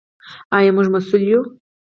آیا موږ مسوول یو؟